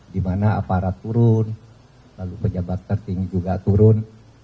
di mana aparat turun lalu pejabat tertinggi juga turun